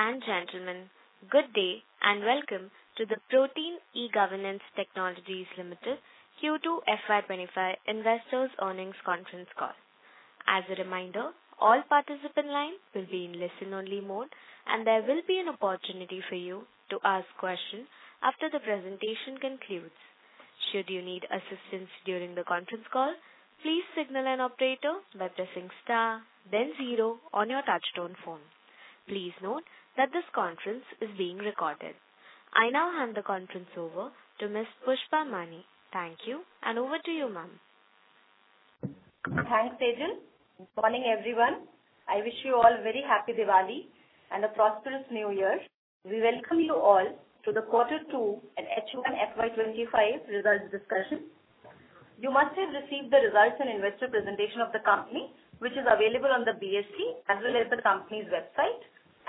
Ladies and gentlemen, good day and welcome to the Protean eGovernance Technologies Limited Q2 FY25 Investors' Earnings Conference Call. As a reminder, all participants' lines will be in listen-only mode, and there will be an opportunity for you to ask questions after the presentation concludes. Should you need assistance during the conference call, please signal an operator by pressing star, then zero on your touch-tone phone. Please note that this conference is being recorded. I now hand the conference over to Ms. Pushpa Mani. Thank you, and over to you, ma'am. Thanks, Ajal. Good morning, everyone. I wish you all a very happy Diwali and a prosperous New Year. We welcome you all to the Quarter 2 and H1 FY25 results discussion. You must have received the results and investor presentation of the company, which is available on the BSE as well as the company's website.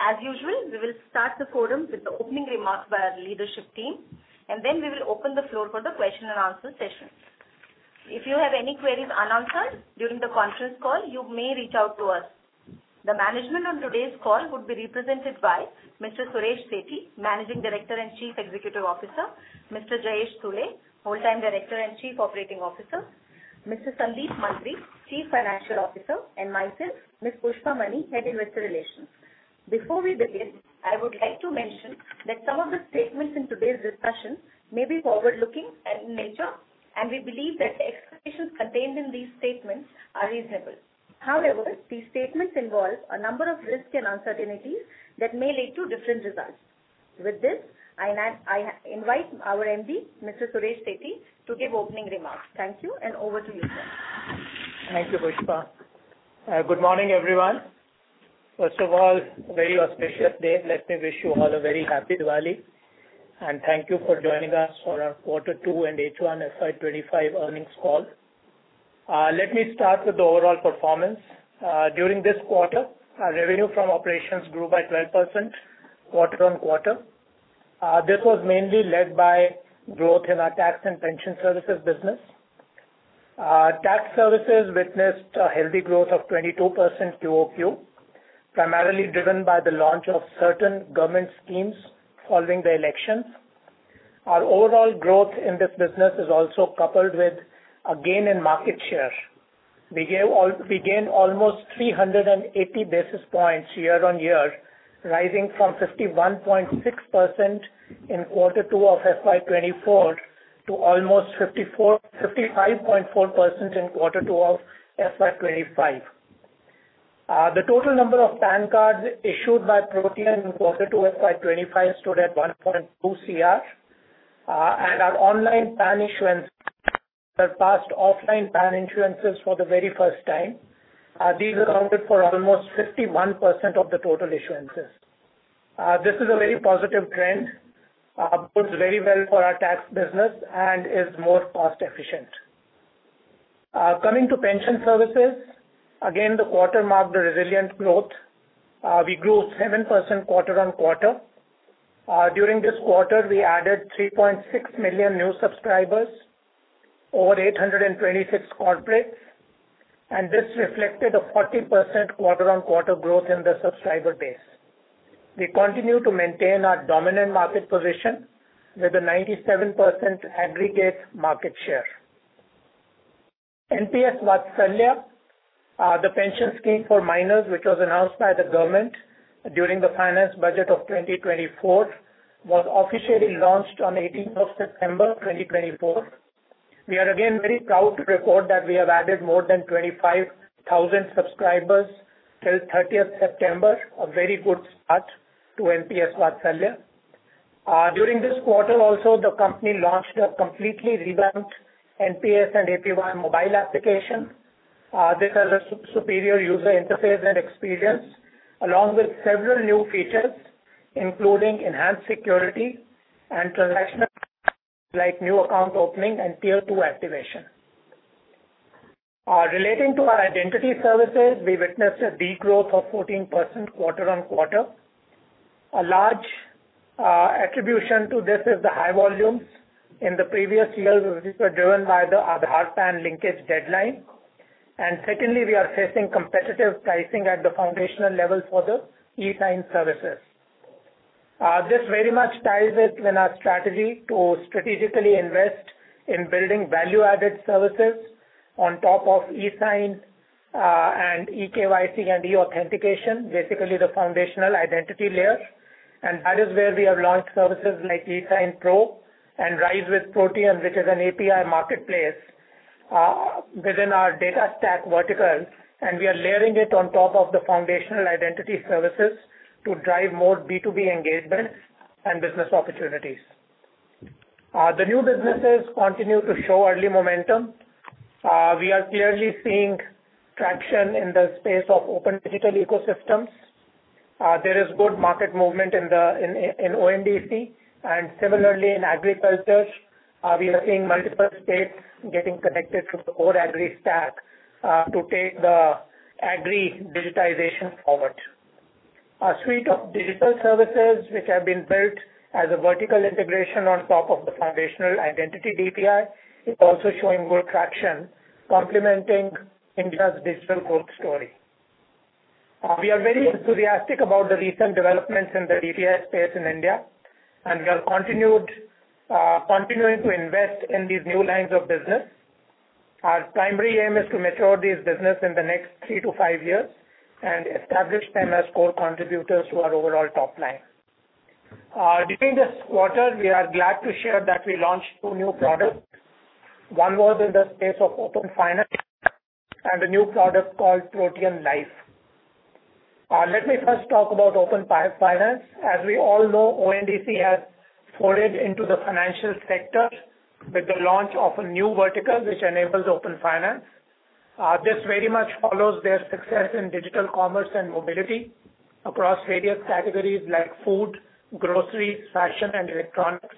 As usual, we will start the forum with the opening remarks by our leadership team, and then we will open the floor for the question-and-answer session. If you have any queries unanswered during the conference call, you may reach out to us. The management on today's call would be represented by Mr. Suresh Sethi, Managing Director and Chief Executive Officer, Mr. Jayesh Sule, Whole Time Director and Chief Operating Officer, Mr. Sandeep Mantri, Chief Financial Officer, and myself, Ms. Pushpa Mani, Head Investor Relations. Before we begin, I would like to mention that some of the statements in today's discussion may be forward-looking in nature, and we believe that the expectations contained in these statements are reasonable. However, these statements involve a number of risks and uncertainties that may lead to different results. With this, I invite our MD, Mr. Suresh Sethi, to give opening remarks. Thank you, and over to you, sir. Thank you, Pushpa. Good morning, everyone. First of all, a very auspicious day. Let me wish you all a very happy Diwali, and thank you for joining us for our Quarter 2 and H1 FY25 earnings call. Let me start with the overall performance. During this quarter, our revenue from operations grew by 12% quarter on quarter. This was mainly led by growth in our tax and pension services business. Tax services witnessed a healthy growth of 22% QOQ, primarily driven by the launch of certain government schemes following the election. Our overall growth in this business is also coupled with a gain in market share. We gained almost 380 basis points year-on-year, rising from 51.6% in Quarter 2 of FY24 to almost 55.4% in Quarter 2 of FY25. The total number of PAN cards issued by Protean in Quarter 2 of FY25 stood at 1.2 crore, and our online PAN issuance surpassed offline PAN issuances for the very first time. These accounted for almost 51% of the total issuances. This is a very positive trend. It works very well for our tax business and is more cost-efficient. Coming to pension services, again, the quarter marked a resilient growth. We grew 7% quarter on quarter. During this quarter, we added 3.6 million new subscribers over 826 corporates, and this reflected a 40% quarter-on-quarter growth in the subscriber base. We continue to maintain our dominant market position with a 97% aggregate market share. NPS Vatsalya, the pension scheme for minors, which was announced by the government during the finance budget of 2024, was officially launched on 18th of September 2024. We are again very proud to report that we have added more than 25,000 subscribers till 30th September, a very good start to NPS Vatsalya. During this quarter, also, the company launched a completely revamped NPS and APY mobile application. This has a superior user interface and experience, along with several new features, including enhanced security and transactional features like new account opening and Tier 2 activation. Relating to our identity services, we witnessed a degrowth of 14% quarter-on-quarter. A large attribution to this is the high volumes. In the previous year, this was driven by the Aadhaar PAN linkage deadline, and secondly, we are facing competitive pricing at the foundational level for the eSign services. This very much ties in with our strategy to strategically invest in building value-added services on top of eSign and eKYC and eAuthentication, basically the foundational identity layer. That is where we have launched services like eSign Pro and Rise with Protean, which is an API marketplace within our Data Stack vertical. We are layering it on top of the foundational identity services to drive more B2B engagements and business opportunities. The new businesses continue to show early momentum. We are clearly seeing traction in the space of open digital ecosystems. There is good market movement in ONDC, and similarly in agriculture. We are seeing multiple states getting connected to the core Agri Stack to take the agri digitization forward. A suite of digital services, which have been built as a vertical integration on top of the foundational identity DPI, is also showing good traction, complementing India's digital growth story. We are very enthusiastic about the recent developments in the DPI space in India, and we are continuing to invest in these new lines of business. Our primary aim is to mature these businesses in the next three to five years and establish them as core contributors to our overall top line. During this quarter, we are glad to share that we launched two new products. One was in the space of open finance and a new product called Protean Life. Let me first talk about open finance. As we all know, ONDC has forayed into the financial sector with the launch of a new vertical which enables open finance. This very much follows their success in digital commerce and mobility across various categories like food, groceries, fashion, and electronics.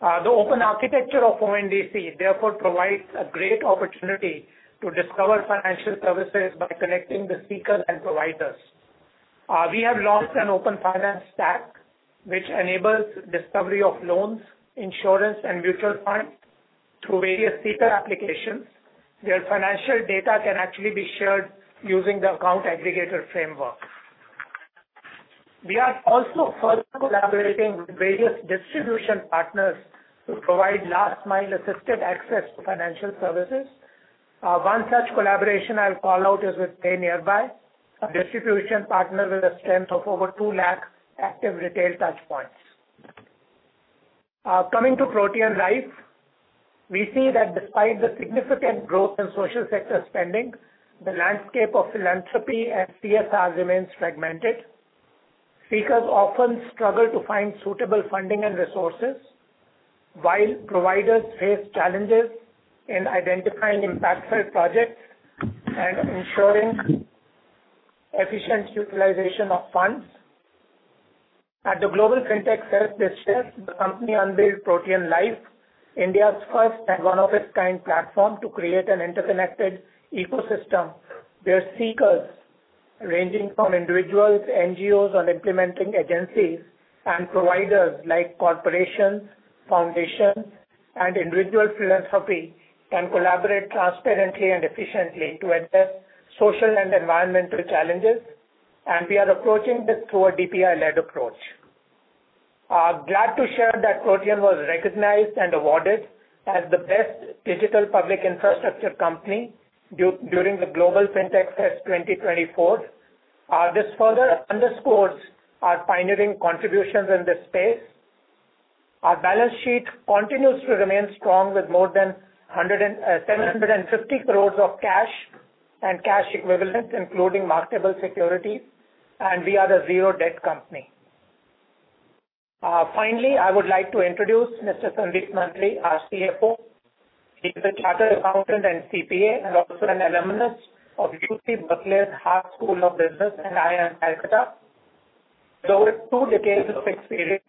The open architecture of ONDC, therefore, provides a great opportunity to discover financial services by connecting the seeker and providers. We have launched an open finance stack which enables the discovery of loans, insurance, and mutual funds through various seeker applications, where financial data can actually be shared using the Account Aggregator framework. We are also further collaborating with various distribution partners to provide last-mile assisted access to financial services. One such collaboration I'll call out is with PayNearby, a distribution partner with a strength of over 2 lakh active retail touchpoints. Coming to Protean Life, we see that despite the significant growth in social sector spending, the landscape of philanthropy and CSR remains fragmented. Seekers often struggle to find suitable funding and resources, while providers face challenges in identifying impactful projects and ensuring efficient utilization of funds. At the Global Fintech Fest, the company unveiled Protean Life, India's first and one-of-a-kind platform to create an interconnected ecosystem where seekers, ranging from individuals, NGOs, and implementing agencies, and providers like corporations, foundations, and individual philanthropy can collaborate transparently and efficiently to address social and environmental challenges, and we are approaching this through a DPI-led approach. Glad to share that Protean was recognized and awarded as the best digital public infrastructure company during the Global Fintech Fest 2024. This further underscores our pioneering contributions in this space. Our balance sheet continues to remain strong with more than 750 crores of cash and cash equivalents, including marketable securities, and we are a zero-debt company. Finally, I would like to introduce Mr. Sandeep Mantri, our CFO. He is a chartered accountant and CPA, and also an alumnus of UC Berkeley's Haas School of Business and IIM Calcutta. Though with two decades of experience,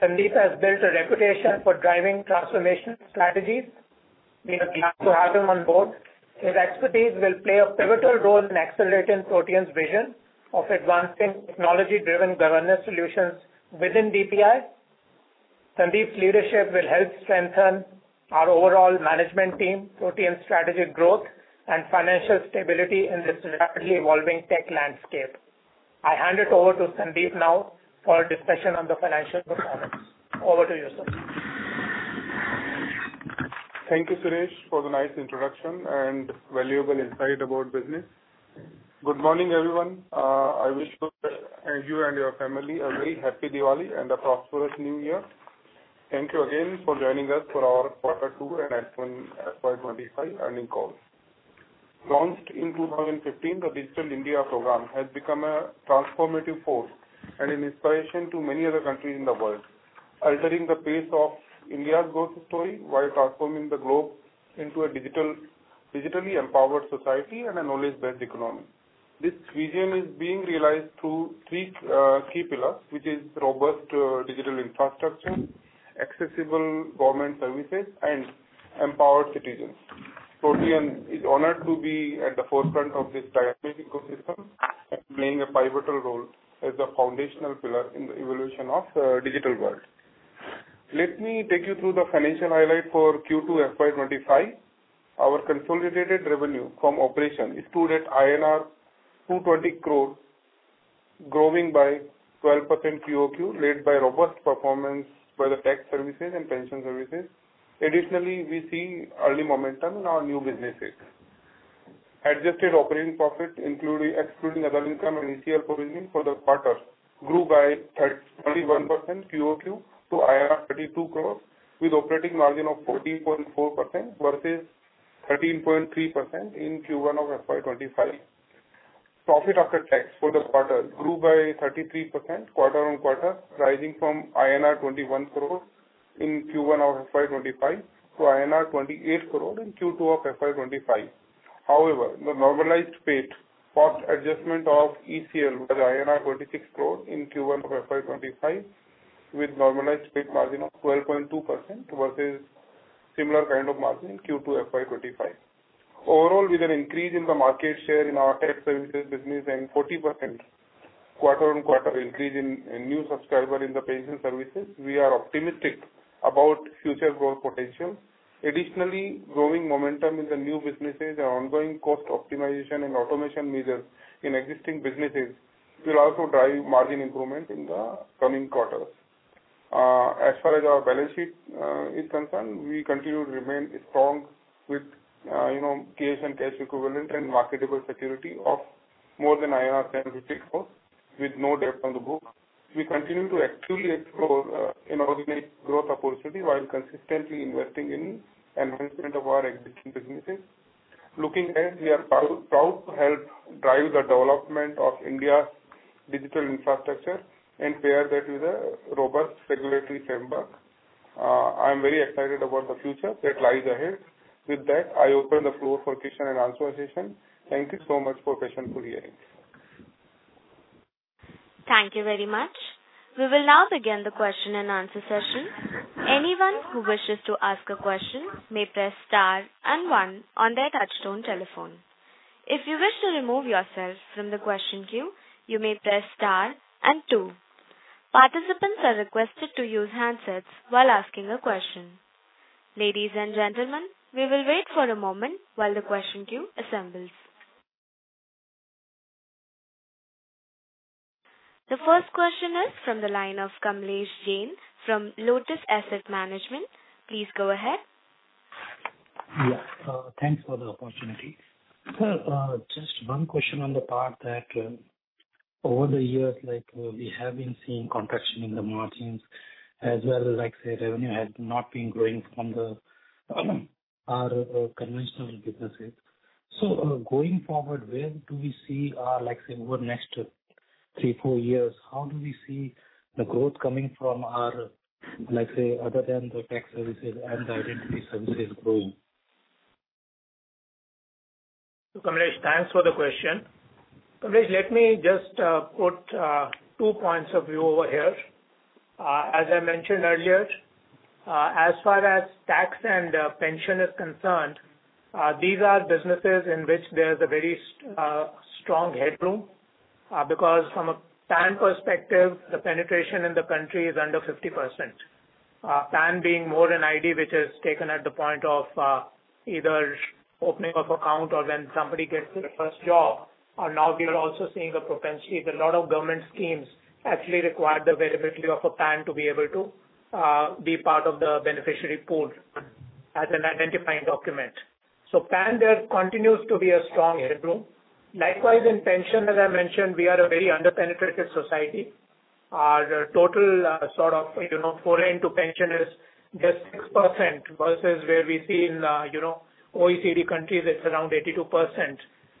Sandeep has built a reputation for driving transformation strategies. We are glad to have him on board. His expertise will play a pivotal role in accelerating Protean's vision of advancing technology-driven governance solutions within DPI. Sandeep's leadership will help strengthen our overall management team, Protean's strategic growth, and financial stability in this rapidly evolving tech landscape. I hand it over to Sandeep now for a discussion on the financial performance. Over to you, sir. Thank you, Suresh, for the nice introduction and valuable insight about business. Good morning, everyone. I wish you and your family a very happy Diwali and a prosperous New Year. Thank you again for joining us for our Quarter 2 and FY25 earnings call. Launched in 2015, the Digital India Program has become a transformative force and an inspiration to many other countries in the world, altering the pace of India's growth story while transforming the globe into a digitally empowered society and a knowledge-based economy. This vision is being realized through three key pillars, which are robust digital infrastructure, accessible government services, and empowered citizens. Protean is honored to be at the forefront of this dynamic ecosystem and playing a pivotal role as a foundational pillar in the evolution of the digital world. Let me take you through the financial highlight for Q2 FY25. Our consolidated revenue from operations stood at INR 220 crore growing by 12% QOQ, led by robust performance in the tax services and pension services. Additionally, we see early momentum in our new businesses. Adjusted operating profit, excluding other income and ECL provisioning for the quarter, grew by 21% QOQ to 32 crore, with an operating margin of 14.4% versus 13.3% in Q1 of FY25. Profit after tax for the quarter grew by 33% quarter-on-quarter, rising from INR 21 crore in Q1 of FY25 to INR 28 crore in Q2 of FY25. However, the normalized EBITDA cost adjustment of ECL was INR 26 crore in Q1 of FY25, with a normalized EBITDA margin of 12.2% versus a similar kind of margin in Q2 FY25. Overall, with an increase in the market share in our tax services business and a 40% quarter-on-quarter increase in new subscribers in the pension services, we are optimistic about future growth potential. Additionally, growing momentum in the new businesses and ongoing cost optimization and automation measures in existing businesses will also drive margin improvement in the coming quarters. As far as our balance sheet is concerned, we continue to remain strong with cash and cash equivalent and marketable security of more than 750 crore, with no debt on the book. We continue to actively explore inordinate growth opportunities while consistently investing in enhancement of our existing businesses. Looking ahead, we are proud to help drive the development of India's digital infrastructure and pair that with a robust regulatory framework. I am very excited about the future that lies ahead. With that, I open the floor for question and answer session. Thank you so much for the patient hearing. Thank you very much. We will now begin the question and answer session. Anyone who wishes to ask a question may press star and one on their touch-tone telephone. If you wish to remove yourself from the question queue, you may press star and two. Participants are requested to use handsets while asking a question. Ladies and gentlemen, we will wait for a moment while the question queue assembles. The first question is from the line of Kamlesh Jain from Lotus Asset Management. Please go ahead. Yes, thanks for the opportunity. Sir, just one question on the part that over the years, we have been seeing contraction in the margins as well as revenue has not been growing from our conventional businesses. So going forward, where do we see our next three, four years? How do we see the growth coming from our, let's say, other than the tax services and the identity services growing? Kamlesh, thanks for the question. Kamlesh, let me just put two points of view over here. As I mentioned earlier, as far as tax and pension is concerned, these are businesses in which there is a very strong headroom because from a PAN perspective, the penetration in the country is under 50%. PAN being more an ID which is taken at the point of either opening of account or when somebody gets their first job. Now, we are also seeing a propensity that a lot of government schemes actually require the availability of a PAN to be able to be part of the beneficiary pool as an identifying document. So PAN there continues to be a strong headroom. Likewise, in pension, as I mentioned, we are a very under-penetrated society. Our total sort of foray into pension is just 6% versus where we see in OECD countries, it's around 82%.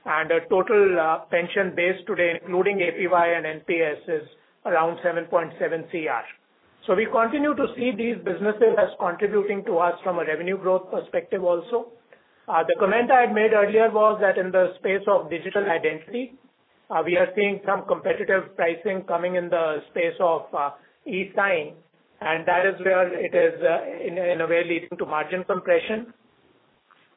And our total pension base today, including APY and NPS, is around 7.7 crore. So we continue to see these businesses as contributing to us from a revenue growth perspective also. The comment I had made earlier was that in the space of digital identity, we are seeing some competitive pricing coming in the space of eSign, and that is where it is in a way leading to margin compression.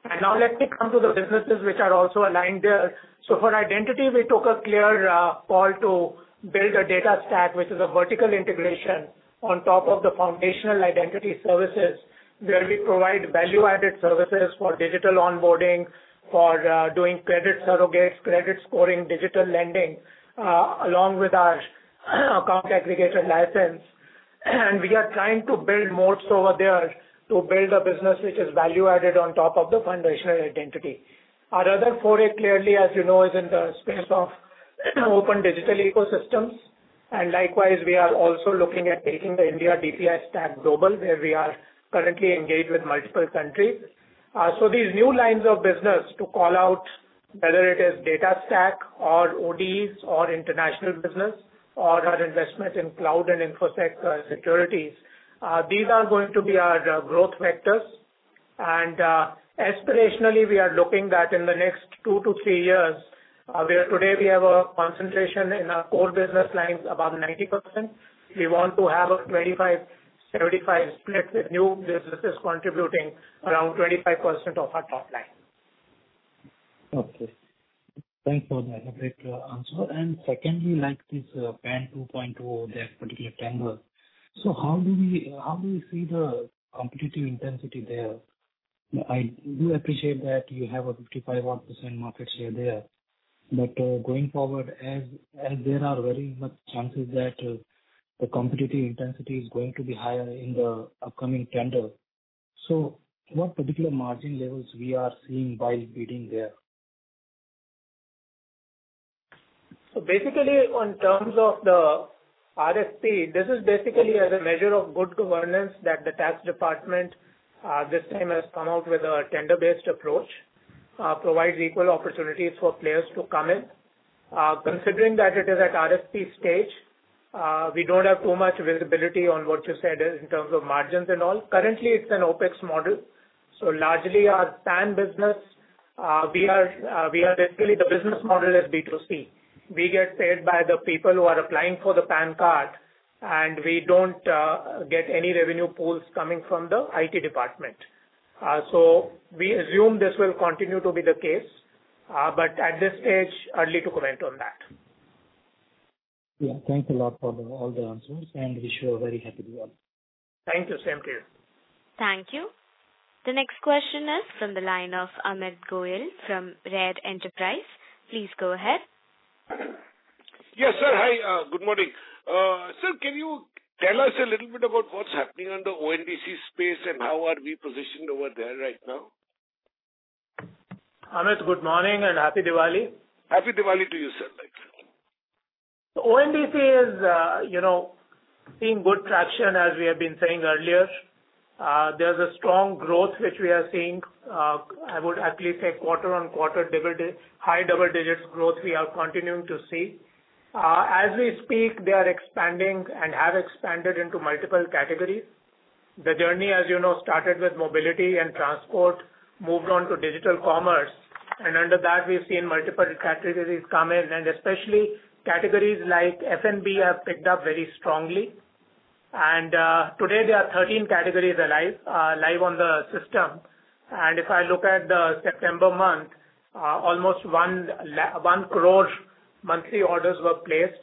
And now let me come to the businesses which are also aligned there. So for identity, we took a clear call to build a data stack, which is a vertical integration on top of the foundational identity services, where we provide value-added services for digital onboarding, for doing credit surrogates, credit scoring, digital lending, along with our account aggregator license. And we are trying to build more so over there to build a business which is value-added on top of the foundational identity. Our other foray clearly, as you know, is in the space of open digital ecosystems. And likewise, we are also looking at taking the India DPI stack global, where we are currently engaged with multiple countries. So these new lines of business to call out, whether it is data stack or ODEs or international business or our investment in cloud and infosec securities, these are going to be our growth factors. And aspirationally, we are looking that in the next two to three years, where today we have a concentration in our core business lines above 90%, we want to have a 25-75 split with new businesses contributing around 25% of our top line. Okay. Thanks for that great answer. And secondly, like this PAN 2.0, that particular angle. So how do we see the competitive intensity there? I do appreciate that you have a 55-odd% market share there. But going forward, as there are very much chances that the competitive intensity is going to be higher in the upcoming tender, so what particular margin levels we are seeing while bidding there? So basically, in terms of the RFP, this is basically a measure of good governance that the tax department this time has come out with a tender-based approach that provides equal opportunities for players to come in. Considering that it is at RFP stage, we don't have too much visibility on what you said in terms of margins and all. Currently, it's an OPEX model. So largely, our PAN business, we are basically the business model is B2C. We get paid by the people who are applying for the PAN card, and we don't get any revenue pools coming from the IT department. So we assume this will continue to be the case, but at this stage, too early to comment on that. Yeah, thanks a lot for all the answers, and we sure are very happy to help. Thank you. Same to you. Thank you. The next question is from the line of Ahmed Goyal from RARE Enterprises. Please go ahead. Yes, sir. Hi, good morning. Sir, can you tell us a little bit about what's happening in the ONDC space and how are we positioned over there right now? Ahmed, good morning and happy Diwali. Happy Diwali to you, sir. The ONDC is seeing good traction, as we have been saying earlier. There's a strong growth which we are seeing. I would actually say quarter on quarter, high double-digit growth we are continuing to see. As we speak, they are expanding and have expanded into multiple categories. The journey, as you know, started with mobility and transport, moved on to digital commerce. And under that, we've seen multiple categories come in, and especially categories like F&B have picked up very strongly. And today, there are 13 categories live on the system. And if I look at the September month, almost one crore monthly orders were placed.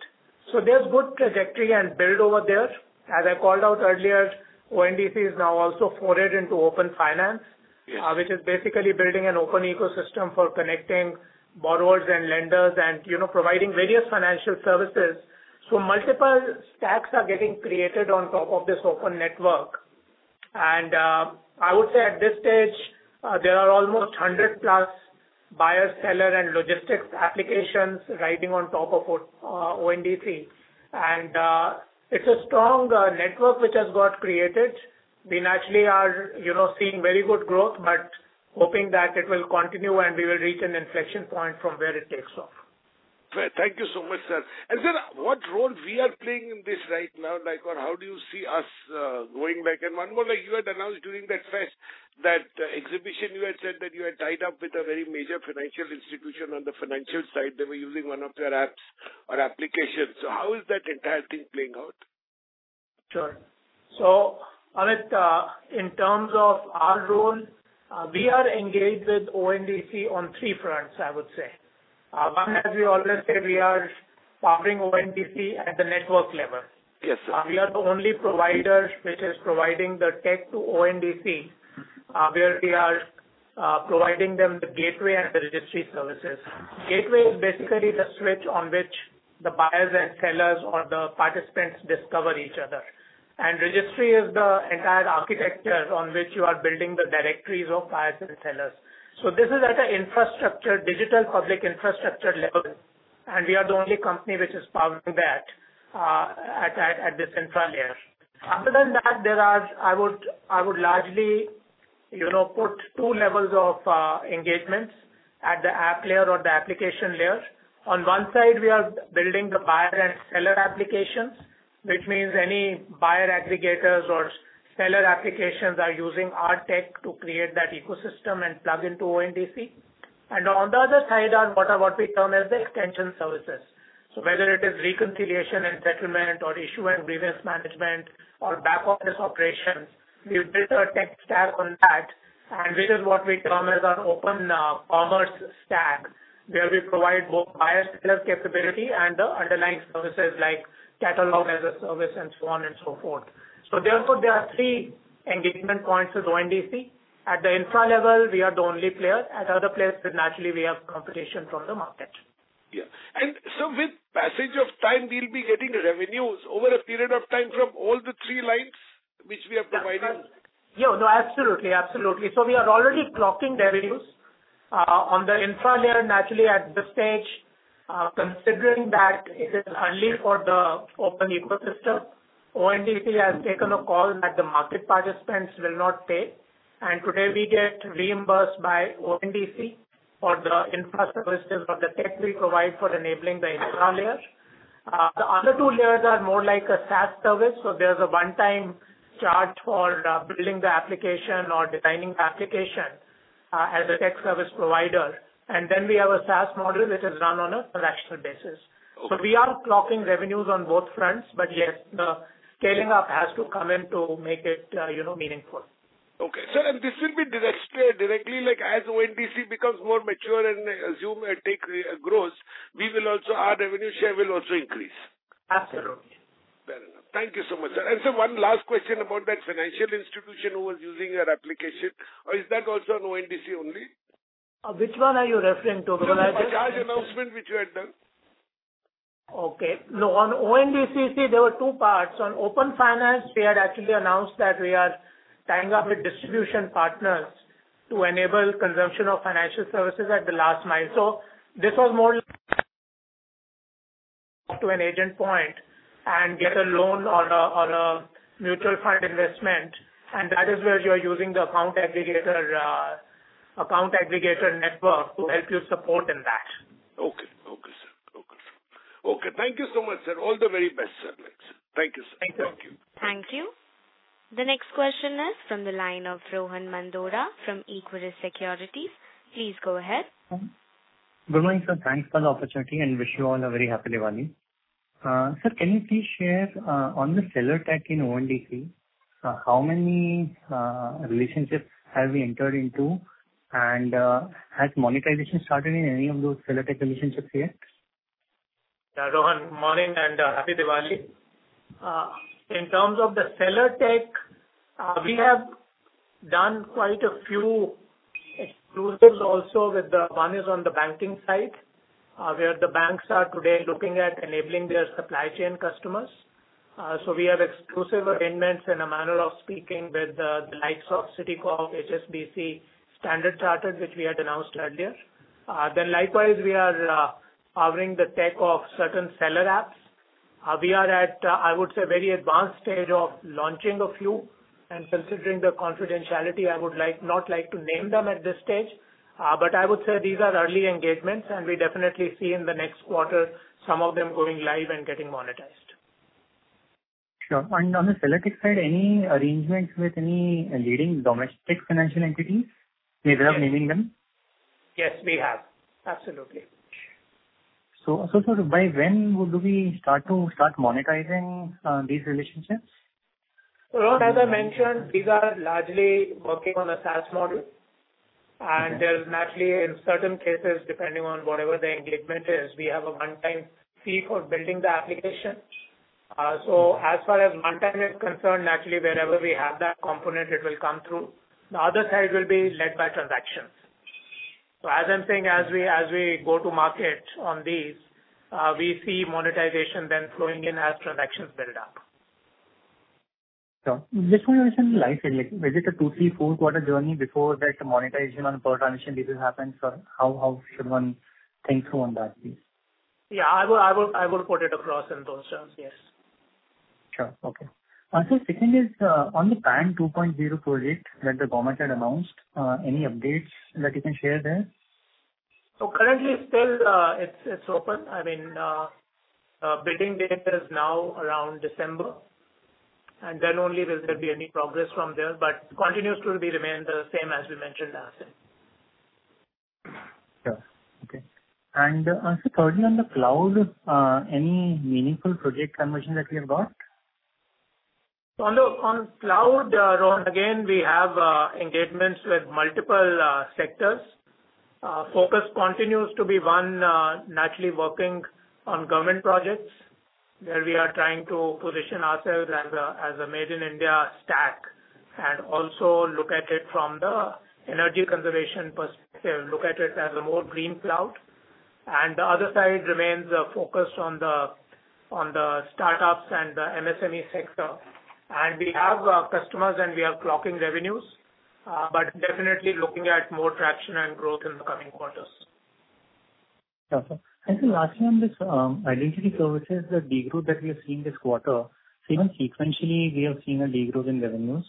So there's good trajectory and build over there. As I called out earlier, ONDC is now also forayed into open finance, which is basically building an open ecosystem for connecting borrowers and lenders and providing various financial services. Multiple stacks are getting created on top of this open network. I would say at this stage, there are almost 100+ buyer, seller, and logistics applications riding on top of ONDC. It's a strong network which has got created. We naturally are seeing very good growth, but hoping that it will continue and we will reach an inflection point from where it takes off. Thank you so much, sir, and sir, what role we are playing in this right now? How do you see us going back? and one more, you had announced during that exhibition, you had said that you had tied up with a very major financial institution on the financial side. They were using one of their apps or applications. So how is that entire thing playing out? Sure. So Ahmed, in terms of our role, we are engaged with ONDC on three fronts, I would say. One is we always say we are powering ONDC at the network level. We are the only provider which is providing the tech to ONDC, where we are providing them the gateway and the registry services. Gateway is basically the switch on which the buyers and sellers or the participants discover each other. And registry is the entire architecture on which you are building the directories of buyers and sellers. So this is at an infrastructure, digital public infrastructure level. And we are the only company which is powering that at this infra layer. Other than that, I would largely put two levels of engagements at the app layer or the application layer. On one side, we are building the buyer and seller applications, which means any buyer aggregators or seller applications are using our tech to create that ecosystem and plug into ONDC, and on the other side are what we term as the extension services, so whether it is reconciliation and settlement or issue and grievance management or back office operations, we've built a tech stack on that, which is what we term as our open commerce stack, where we provide both buyer-seller capability and the underlying services like catalog as a service and so on and so forth, so therefore, there are three engagement points with ONDC. At the infra level, we are the only player. At other places, naturally, we have competition from the market. Yeah, and so with passage of time, we'll be getting revenues over a period of time from all the three lines which we are providing? Yeah. No, absolutely. Absolutely. So we are already clocking revenues on the infra layer naturally at this stage. Considering that it is early for the open ecosystem, ONDC has taken a call that the market participants will not pay. And today, we get reimbursed by ONDC for the infra services or the tech we provide for enabling the infra layer. The other two layers are more like a SaaS service. So there's a one-time charge for building the application or designing the application as a tech service provider. And then we have a SaaS model which is run on a fractional basis. So we are clocking revenues on both fronts, but yes, the scaling up has to come in to make it meaningful. Okay. Sir, and this will be directly as ONDC becomes more mature and assume it takes growth, our revenue share will also increase. Absolutely. Fair enough. Thank you so much, sir. And sir, one last question about that financial institution who was using your application. Is that also an ONDC only? Which one are you referring to? The large announcement which you had done. Okay. No, on ONDC, see, there were two parts. On open finance, we had actually announced that we are tying up with distribution partners to enable consumption of financial services at the last mile. So this was more to an agent point and get a loan or a mutual fund investment. And that is where you're using the account aggregator network to help you support in that. Okay. Okay, sir. Okay. Okay. Thank you so much, sir. All the very best, sir. Thank you, sir. Thank you. Thank you. Thank you. The next question is from the line of Rohan Mandora from Equirus Securities. Please go ahead. Suresh, sir, thanks for the opportunity and wish you all a very happy Diwali. Sir, can you please share on the seller tech in ONDC, how many relationships have we entered into, and has monetization started in any of those seller tech relationships yet? Yeah, Rohan, good morning and happy Diwali. In terms of the seller tech, we have done quite a few exclusives also with the one is on the banking side, where the banks are today looking at enabling their supply chain customers. So we have exclusive arrangements in a manner of speaking with the likes of Citigroup, HSBC, Standard Chartered, which we had announced earlier. Then likewise, we are covering the tech of certain seller apps. We are at, I would say, a very advanced stage of launching a few. And considering the confidentiality, I would not like to name them at this stage. But I would say these are early engagements, and we definitely see in the next quarter some of them going live and getting monetized. Sure. And on the seller tech side, any arrangements with any leading domestic financial entities? Do you mind naming them? Yes, we have. Absolutely. So by when would we start monetizing these relationships? As I mentioned, these are largely working on a SaaS model. There's naturally, in certain cases, depending on whatever the engagement is, a one-time fee for building the application. As far as monetization is concerned, naturally, wherever we have that component, it will come through. The other side will be led by transactions. As I'm saying, as we go to market on these, we see monetization then flowing in as transactions build up. Sure. Just when you mentioned the life cycle, is it a two, three, four-quarter journey before that monetization on per transition happens? How should one think through on that piece? Yeah, I will put it across in those terms, yes. Sure. Okay. So second is on the PAN 2.0 project that the government had announced, any updates that you can share there? So currently, still it's open. I mean, bidding date is now around December. And then only will there be any progress from there, but it continues to remain the same as we mentioned last time. Sure. Okay, and also further on the cloud, any meaningful project conversion that we have got? On cloud, again, we have engagements with multiple sectors. Focus continues to be one, naturally working on government projects, where we are trying to position ourselves as a Made in India stack and also look at it from the energy conservation perspective, look at it as a more green cloud. And the other side remains focused on the startups and the MSME sector. And we have customers and we are clocking revenues, but definitely looking at more traction and growth in the coming quarters. And so lastly on this identity services, the degrowth that we are seeing this quarter, seemingly sequentially, we have seen a degrowth in revenues.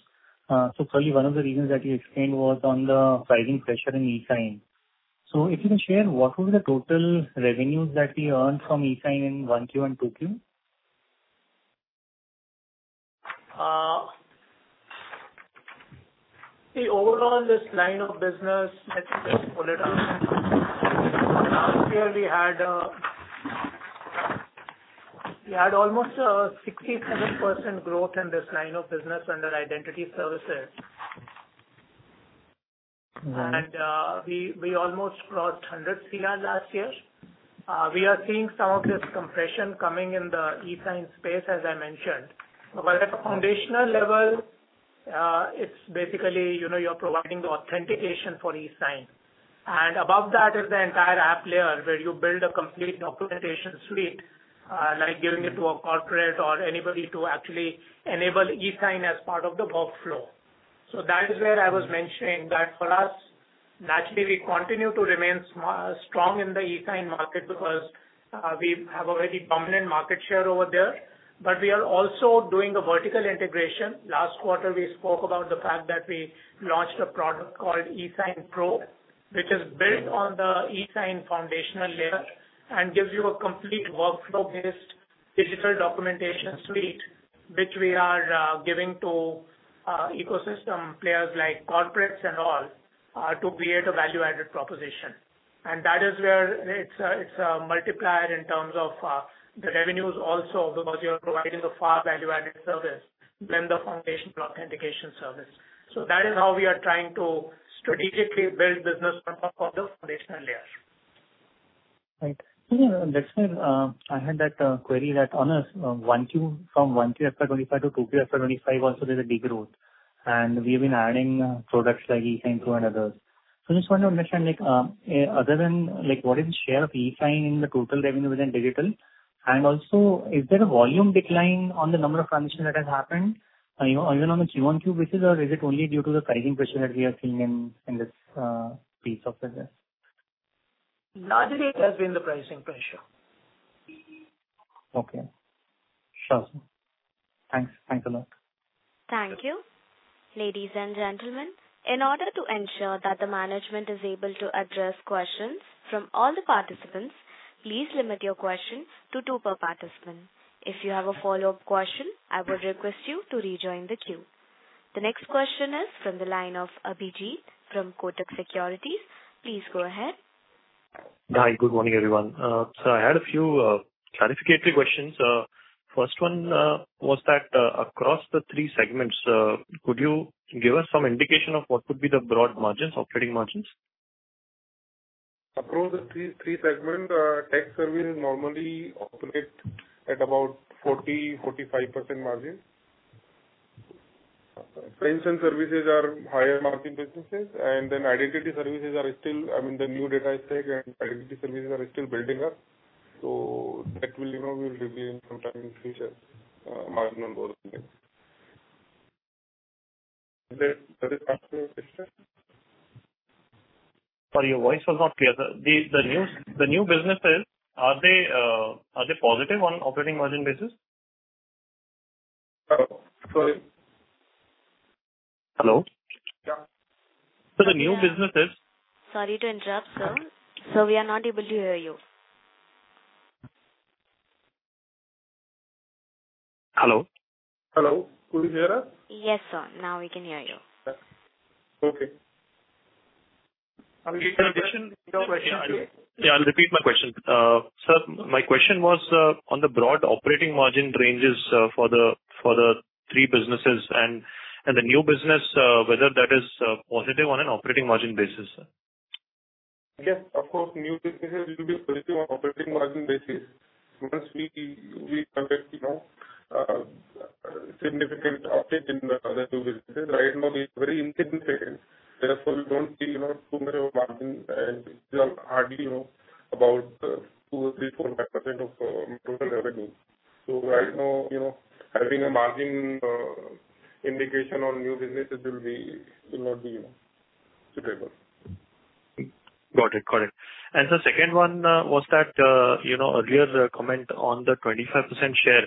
So probably one of the reasons that you explained was on the rising pressure in eSign. So if you can share, what were the total revenues that we earned from eSign in 1Q and 2Q? Overall, this line of business, let's just pull it up. Last year, we had almost 67% growth in this line of business under identity services, and we almost crossed 100 crore last year. We are seeing some of this compression coming in the eSign space, as I mentioned, but at the foundational level, it's basically you're providing the authentication for eSign, and above that is the entire app layer, where you build a complete documentation suite, like giving it to a corporate or anybody to actually enable eSign as part of the workflow, so that is where I was mentioning that for us, naturally, we continue to remain strong in the eSign market because we have a very dominant market share over there, but we are also doing a vertical integration. Last quarter, we spoke about the fact that we launched a product called eSign Pro, which is built on the eSign foundational layer and gives you a complete workflow-based digital documentation suite, which we are giving to ecosystem players like corporates and all to create a value-added proposition. And that is where it's a multiplier in terms of the revenues also because you're providing a far value-added service than the foundational authentication service. So that is how we are trying to strategically build business on top of the foundational layer. Right. So next time, I heard that query that on a QoQ from 1Q FY25 to 2Q FY25, also there's a degrowth. And we have been adding products like eSign Pro and others. So just want to understand, other than what is the share of eSign in the total revenue within digital? And also, is there a volume decline on the number of transactions that have happened? Are you on a Q1, Q2 basis, or is it only due to the pricing pressure that we are seeing in this piece of business? Not really. It has been the pricing pressure. Okay. Sure. Thanks. Thanks a lot. Thank you. Ladies and gentlemen, in order to ensure that the management is able to address questions from all the participants, please limit your question to two per participant. If you have a follow-up question, I would request you to rejoin the queue. The next question is from the line of Abhijit from Kotak Securities. Please go ahead. Hi. Good morning, everyone. So I had a few clarificatory questions. First one was that across the three segments, could you give us some indication of what would be the broad margins, operating margins? Across the three segments, tech services normally operate at about 40%-45% margins. Sales and services are higher-margin businesses. And then identity services are still, I mean, the new data is taken, and identity services are still building up. So that will reveal some time in the future, margin on both. Sorry, your voice was not clear. The new businesses, are they positive on operating margin basis? Sorry? Hello? Yeah. The new businesses. Sorry to interrupt, sir. So we are not able to hear you. Hello? Hello. Can you hear us? Yes, sir. Now we can hear you. Okay. I'll repeat my question. Yeah, I'll repeat my question. Sir, my question was on the broad operating margin ranges for the three businesses and the new business, whether that is positive on an operating margin basis? Yes, of course, new businesses will be positive on operating margin basis once we conduct significant updates in the new businesses. Right now, they are very insignificant. Therefore, we don't see too much of a margin, and it's hardly about 2%, 3%, 4%, 5% of total revenue. So right now, having a margin indication on new businesses will not be suitable. Got it. Got it. And the second one was that earlier comment on the 25% share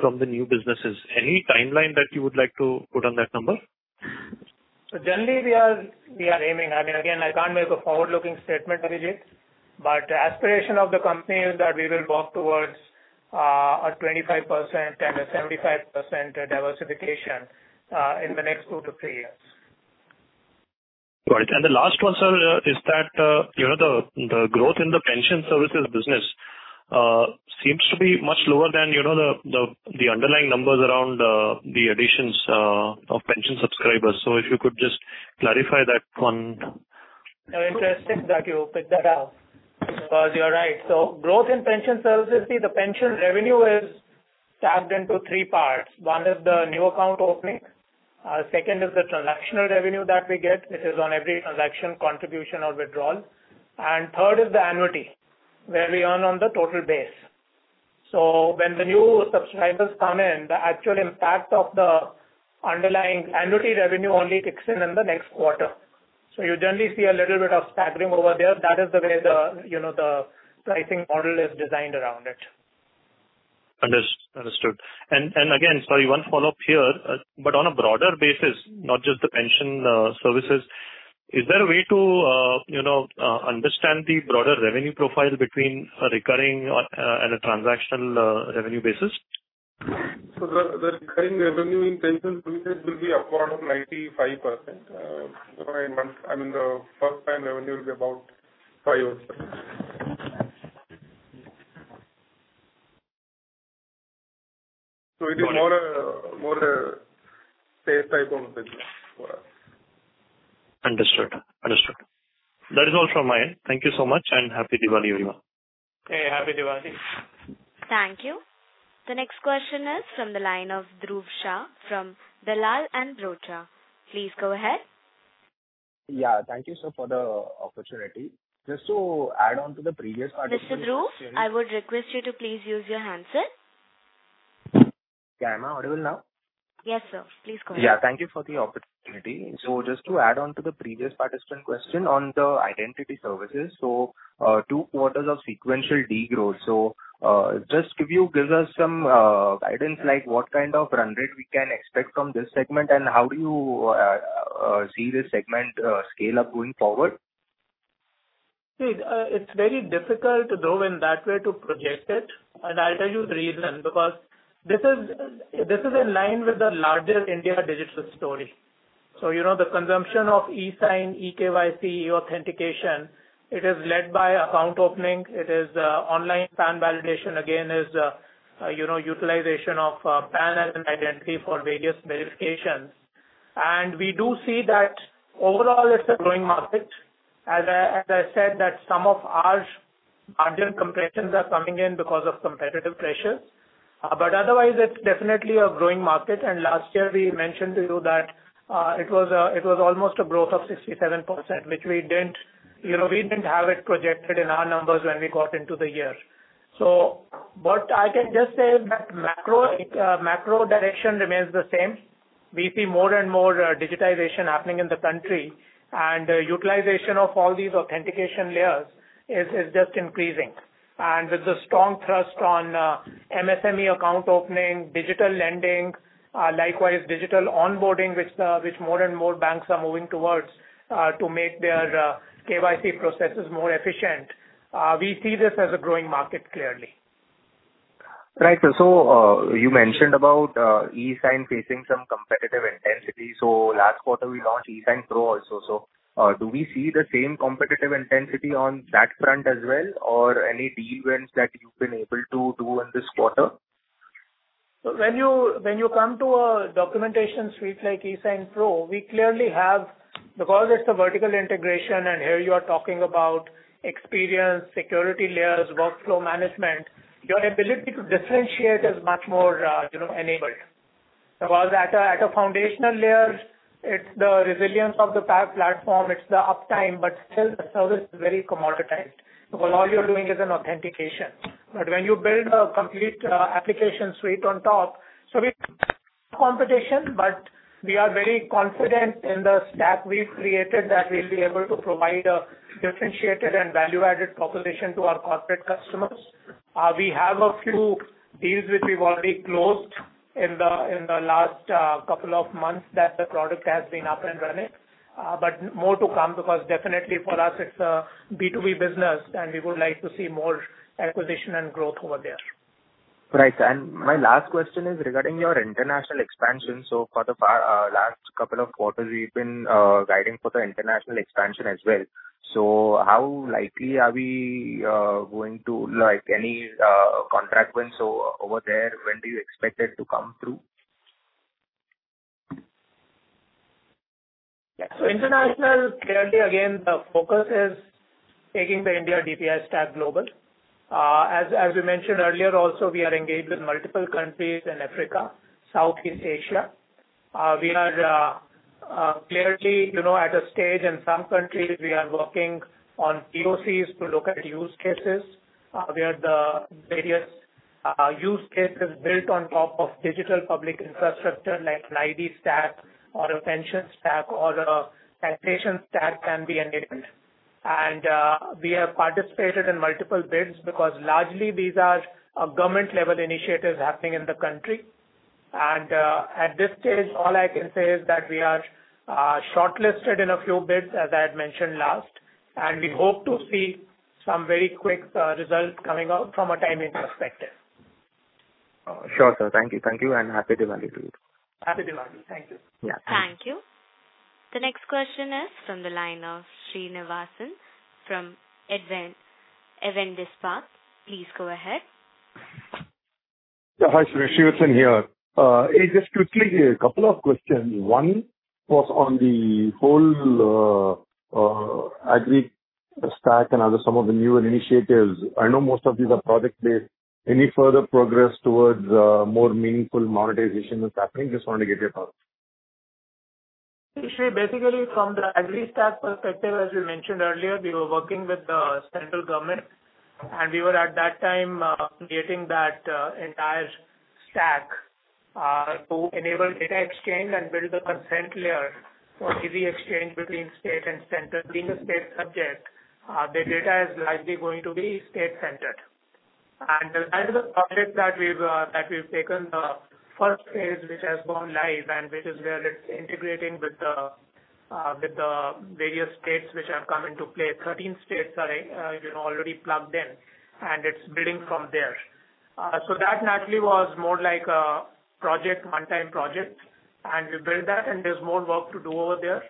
from the new businesses. Any timeline that you would like to put on that number? Generally, we are aiming - I mean, again, I can't make a forward-looking statement, Abhijit - but the aspiration of the company is that we will work towards a 25% and a 75% diversification in the next two to three years. Got it. And the last one, sir, is that the growth in the pension services business seems to be much lower than the underlying numbers around the additions of pension subscribers. So if you could just clarify that one? No, it's interesting that you picked that up because you're right, so growth in pension services, see, the pension revenue is tagged into three parts. One is the new account opening. Second is the transactional revenue that we get, which is on every transaction, contribution, or withdrawal. And third is the annuity, where we earn on the total base, so when the new subscribers come in, the actual impact of the underlying annuity revenue only kicks in in the next quarter, so you generally see a little bit of staggering over there. That is the way the pricing model is designed around it. Understood. And again, sorry, one follow-up here, but on a broader basis, not just the pension services, is there a way to understand the broader revenue profile between a recurring and a transactional revenue basis? So the recurring revenue in pension services will be upward of 95%. I mean, the first-time revenue will be about 5%. So it is more a safe type of business for us. Understood. Understood. That is all from my end. Thank you so much and happy Diwali, everyone. Hey, Happy Diwali. Thank you. The next question is from the line of Dhruv Shah from Dalal & Broacha. Please go ahead. Yeah. Thank you, sir, for the opportunity. Just to add on to the previous participant question. Mr. Dhruv, I would request you to please use your handset. Yeah, am I audible now? Yes, sir. Please go ahead. Yeah. Thank you for the opportunity, so just to add on to the previous participant question on the identity services, so two quarters of sequential degrowth, so just give us some guidance like what kind of run rate we can expect from this segment and how do you see this segment scale up going forward? It's very difficult, Dhruv, in that way to project it. And I'll tell you the reason because this is in line with the larger India digital story. So the consumption of eSign, eKYC, e-authentication, it is led by account opening. It is online PAN validation, again, is utilization of PAN as an identity for various verifications. And we do see that overall, it's a growing market. As I said, some of our margin compressions are coming in because of competitive pressures. But otherwise, it's definitely a growing market. And last year, we mentioned to you that it was almost a growth of 67%, which we didn't have it projected in our numbers when we got into the year. But I can just say that macro direction remains the same. We see more and more digitization happening in the country, and utilization of all these authentication layers is just increasing. With the strong thrust on MSME account opening, digital lending, likewise digital onboarding, which more and more banks are moving towards to make their KYC processes more efficient, we see this as a growing market clearly. Right. So you mentioned about eSign facing some competitive intensity. So last quarter, we launched eSign Pro also. So do we see the same competitive intensity on that front as well, or any deal wins that you've been able to do in this quarter? So when you come to a documentation suite like eSign Pro, we clearly have, because it's a vertical integration, and here you are talking about experience, security layers, workflow management, your ability to differentiate is much more enabled. Because at a foundational layer, it's the resilience of the platform, it's the uptime, but still, the service is very commoditized because all you're doing is an authentication. But when you build a complete application suite on top, so we have competition, but we are very confident in the stack we've created that we'll be able to provide a differentiated and value-added proposition to our corporate customers. We have a few deals which we've already closed in the last couple of months that the product has been up and running, but more to come because definitely for us, it's a B2B business, and we would like to see more acquisition and growth over there. Right. And my last question is regarding your international expansion. So for the last couple of quarters, we've been guiding for the international expansion as well. So how likely are we going to any contract wins over there? When do you expect it to come through? Internationally, clearly, again, the focus is taking the India DPI stack global. As we mentioned earlier, also, we are engaged with multiple countries in Africa, Southeast Asia. We are clearly at a stage in some countries we are working on POCs to look at use cases where the various use cases built on top of digital public infrastructure like an ID stack or a pension stack or a taxation stack can be enabled. We have participated in multiple bids because largely, these are government-level initiatives happening in the country. At this stage, all I can say is that we are shortlisted in a few bids, as I had mentioned last, and we hope to see some very quick results coming out from a timing perspective. Sure, sir. Thank you. Thank you. And happy Diwali to you. Happy Diwali. Thank you. Yeah. Thank you. The next question is from the line of Srinivasan from Avendus Spark. Please go ahead. Yeah. Hi, Sir. Srinivasan here. Just quickly, a couple of questions. One was on the whole Agri Stack and some of the new initiatives. I know most of these are project-based. Any further progress towards more meaningful monetization that's happening? Just wanted to get your thoughts. Basically, from the Agri Stack perspective, as we mentioned earlier, we were working with the central government, and we were at that time creating that entire stack to enable data exchange and build a consent layer for easy exchange between state and center. Being a state subject, the data is likely going to be state-centered. Aside from the project that we've taken, the first phase, which has gone live and which is where it's integrating with the various states which have come into play, 13 states are already plugged in, and it's building from there. That naturally was more like a one-time project, and we built that, and there's more work to do over there.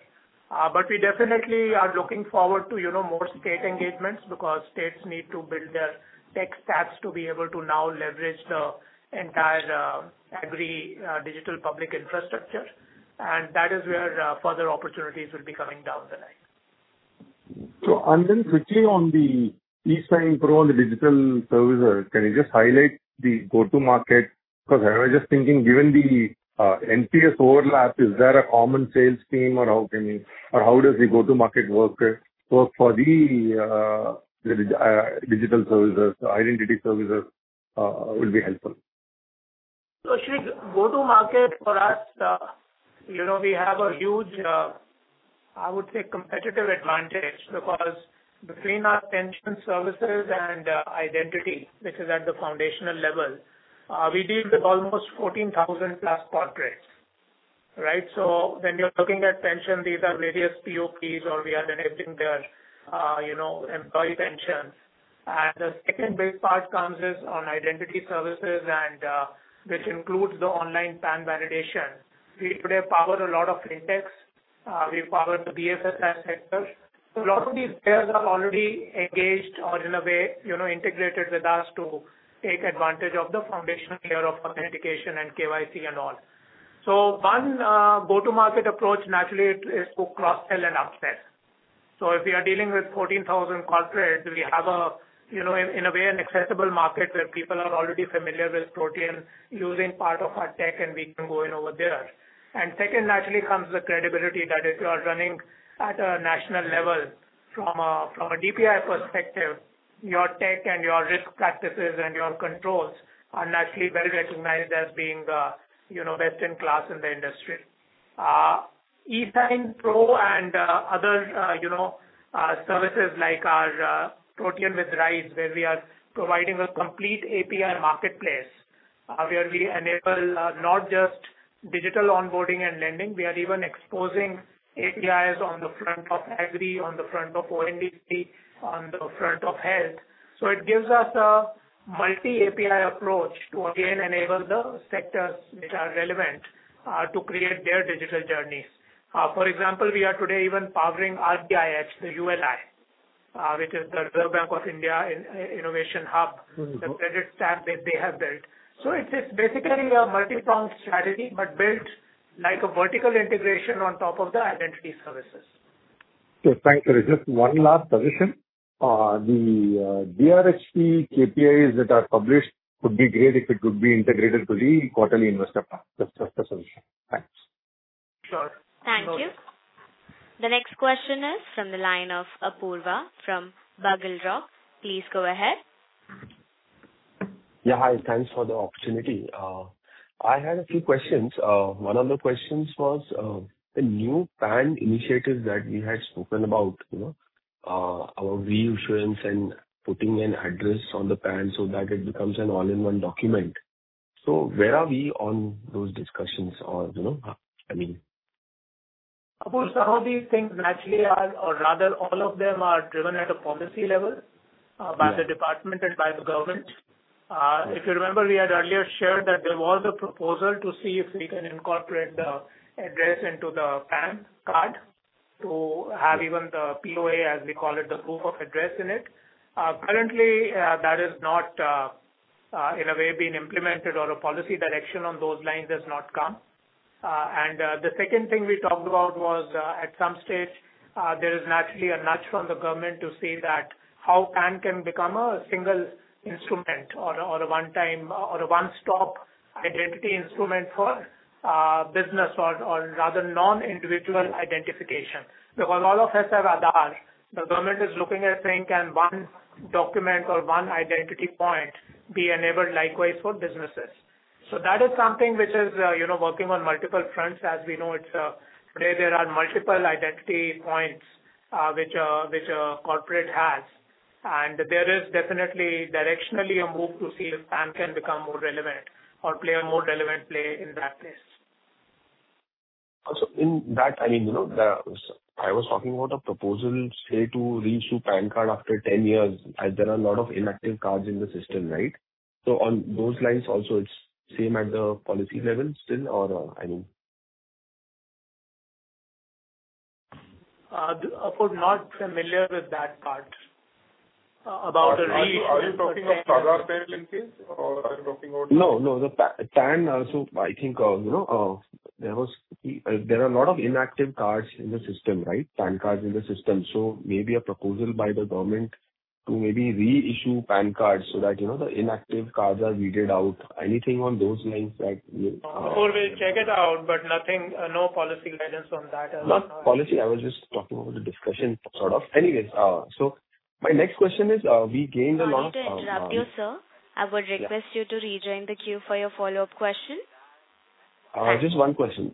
We definitely are looking forward to more state engagements because states need to build their tech stacks to be able to now leverage the entire Agri Stack digital public infrastructure. That is where further opportunities will be coming down the line. Sethi, quickly on the eSign Pro and the digital services, can you just highlight the go-to-market? Because I was just thinking, given the NPS overlap, is there a common sales team, or how does the go-to-market work for the digital services? Identity services will be helpful? So Sri, go-to-market for us, we have a huge, I would say, competitive advantage because between our pension services and identity, which is at the foundational level, we deal with almost 14,000-plus corporates. Right? So when you're looking at pension, these are various POPs, or we are enabling their employee pensions. And the second big part comes on identity services, which includes the online PAN validation. We today power a lot of fintechs. We power the BFSI sector. So a lot of these players are already engaged or, in a way, integrated with us to take advantage of the foundational layer of authentication and KYC and all. So one go-to-market approach, naturally, is to cross-sell and upsell. So if we are dealing with 14,000 corporates, we have, in a way, an accessible market where people are already familiar with Protean using part of our tech, and we can go in over there. And second, naturally, comes the credibility that if you are running at a national level, from a DPI perspective, your tech and your risk practices and your controls are naturally well recognized as being best in class in the industry. eSign Pro and other services like our Rise with Protean, where we are providing a complete API marketplace where we enable not just digital onboarding and lending. We are even exposing APIs on the front of Account Aggregator, on the front of ONDC, on the front of health. So it gives us a multi-API approach to, again, enable the sectors which are relevant to create their digital journeys. For example, we are today even powering RBIH, the ULI, which is the Reserve Bank Innovation Hub, the credit stack that they have built. So it's basically a multi-pronged strategy, but built like a vertical integration on top of the identity services. Okay. Thank you. Just one last suggestion. The DRHP KPIs that are published would be great if it could be integrated to the quarterly investor pack. That's just a suggestion. Thanks. Sure. Thank you. The next question is from the line of Apurva from BugleRock Capital. Please go ahead. Yeah. Hi. Thanks for the opportunity. I had a few questions. One of the questions was the new PAN initiative that we had spoken about, our reissuance and putting an address on the PAN so that it becomes an all-in-one document. So where are we on those discussions? I mean. Apurva, some of these things naturally are, or rather, all of them are driven at a policy level by the department and by the government. If you remember, we had earlier shared that there was a proposal to see if we can incorporate the address into the PAN card to have even the POA, as we call it, the proof of address in it. Currently, that has not, in a way, been implemented, or a policy direction on those lines has not come, and the second thing we talked about was, at some stage, there is naturally a nudge from the government to see that how PAN can become a single instrument or a one-time or a one-stop identity instrument for business or rather non-individual identification. Because all of us have Aadhaar, the government is looking at saying, "Can one document or one identity point be enabled likewise for businesses?" So that is something which is working on multiple fronts. As we know, today, there are multiple identity points which a corporate has. And there is definitely directionally a move to see if PAN can become more relevant or play a more relevant play in that place. In that, I mean, I was talking about a proposal, say, to reissue PAN card after 10 years, as there are a lot of inactive cards in the system, right? On those lines also, it's same at the policy level still, or I mean? Apurva is not familiar with that part about a reissue. Are you talking about Aadhaar payroll in case? Or are you talking about? No, no. So I think there are a lot of inactive cards in the system, right? PAN cards in the system. So maybe a proposal by the government to maybe reissue PAN cards so that the inactive cards are weeded out. Anything on those lines that? Apurva will check it out, but no policy guidance on that as well. Not policy. I was just talking about the discussion, sort of. Anyways, so my next question is we gained a lot of time. Thank you, sir, I would request you to rejoin the queue for your follow-up question. Just one question.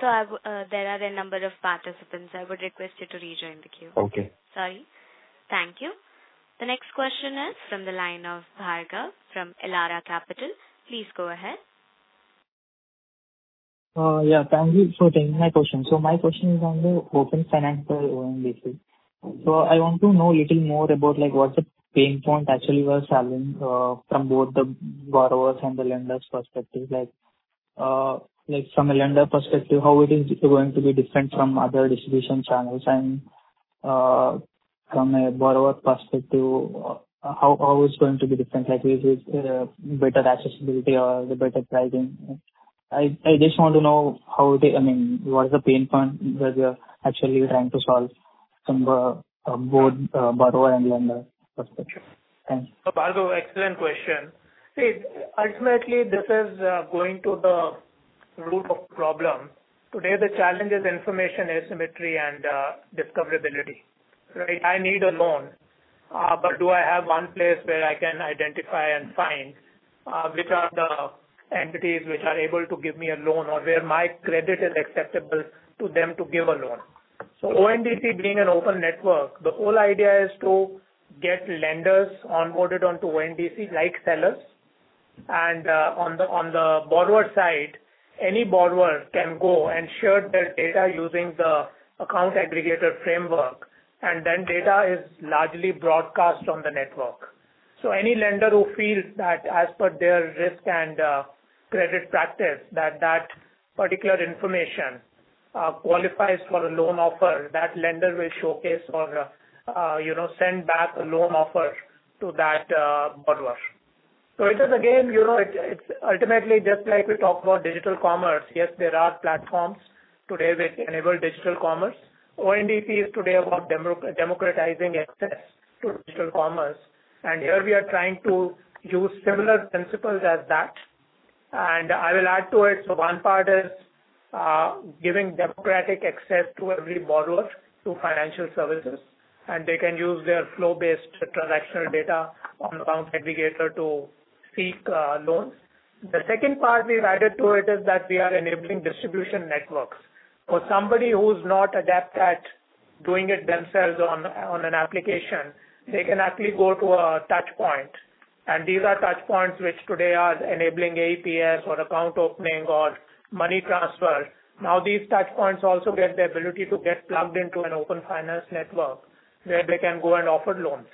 There are a number of participants. I would request you to rejoin the queue. Okay. Sorry. Thank you. The next question is from the line of Bhargav from Elara Capital. Please go ahead. Yeah. Thank you for taking my question. So my question is on the Open Finance ONDC. So I want to know a little more about what the pain point actually was having from both the borrowers and the lenders' perspective. From a lender perspective, how it is going to be different from other distribution channels? And from a borrower perspective, how is it going to be different? Is it better accessibility or the better pricing? I just want to know how it is I mean, what is the pain point that you're actually trying to solve from both borrower and lender perspective? Thanks. So, Bhargav, excellent question. See, ultimately, this is going to the root of the problem. Today, the challenge is information asymmetry and discoverability. Right? I need a loan, but do I have one place where I can identify and find which are the entities which are able to give me a loan or where my credit is acceptable to them to give a loan? So ONDC, being an open network, the whole idea is to get lenders onboarded onto ONDC like sellers. And on the borrower side, any borrower can go and share their data using the account aggregator framework, and then data is largely broadcast on the network. So any lender who feels that, as per their risk and credit practice, that that particular information qualifies for a loan offer, that lender will showcase or send back a loan offer to that borrower. So it is, again, it's ultimately just like we talk about digital commerce. Yes, there are platforms today which enable digital commerce. ONDC is today about democratizing access to digital commerce. And here we are trying to use similar principles as that. And I will add to it. So one part is giving democratic access to every borrower to financial services, and they can use their flow-based transactional data on Account Aggregator to seek loans. The second part we've added to it is that we are enabling distribution networks. For somebody who's not adept at doing it themselves on an application, they can actually go to a touchpoint. And these are touchpoints which today are enabling AePS or account opening or money transfer. Now, these touchpoints also get the ability to get plugged into an Open Finance network where they can go and offer loans.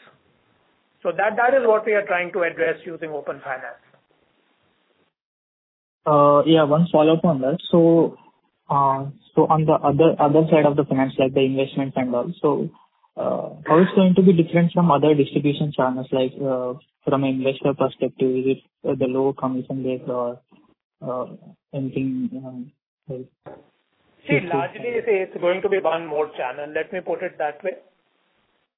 So that is what we are trying to address using Open Finance. Yeah. One follow-up on that. So on the other side of the finance, like the investment and all, so how it's going to be different from other distribution channels from an investor perspective? Is it the low commission rate or anything? See, largely, it's going to be one more channel. Let me put it that way.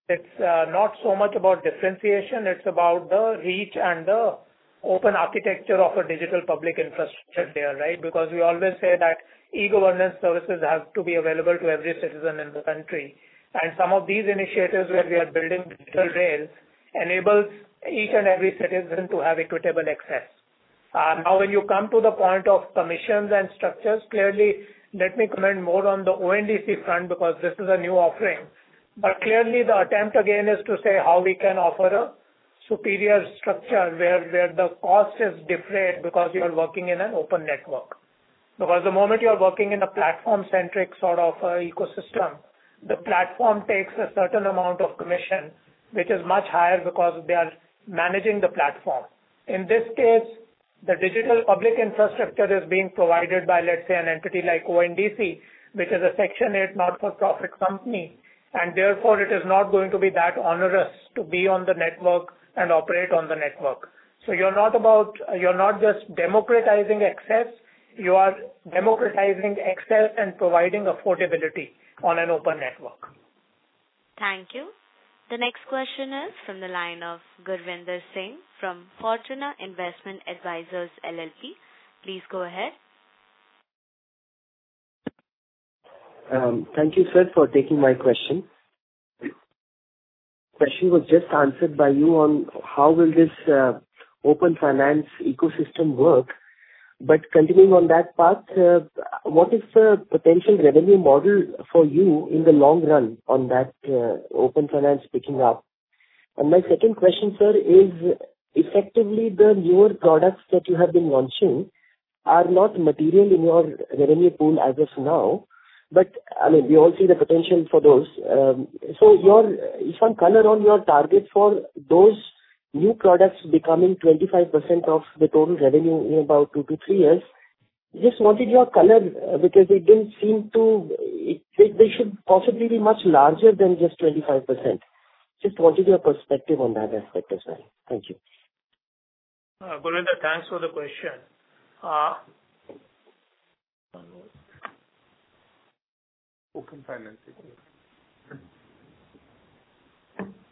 It's not so much about differentiation. It's about the reach and the open architecture of a digital public infrastructure there, right? Because we always say that e-governance services have to be available to every citizen in the country. And some of these initiatives where we are building digital rails enable each and every citizen to have equitable access. Now, when you come to the point of permissions and structures, clearly, let me comment more on the ONDC front because this is a new offering. But clearly, the attempt again is to say how we can offer a superior structure where the cost is defrayed because you are working in an open network. Because the moment you are working in a platform-centric sort of ecosystem, the platform takes a certain amount of commission, which is much higher because they are managing the platform. In this case, the digital public infrastructure is being provided by, let's say, an entity like ONDC, which is a Section 8 not-for-profit company, and therefore, it is not going to be that onerous to be on the network and operate on the network, so you're not just democratizing access. You are democratizing access and providing affordability on an open network. Thank you. The next question is from the line of Gurvinder Singh from Fortuna Investment Advisors LLP. Please go ahead. Thank you, sir, for taking my question. Question was just answered by you on how will this Open Finance ecosystem work. But continuing on that path, what is the potential revenue model for you in the long run on that Open Finance picking up? And my second question, sir, is effectively the newer products that you have been launching are not material in your revenue pool as of now. But I mean, we all see the potential for those. So, if I'm color on your target for those new products becoming 25% of the total revenue in about two to three years, just wanted your color because it didn't seem that they should possibly be much larger than just 25%. Just wanted your perspective on that aspect as well. Thank you. Gurvinder, thanks for the question. Open finance.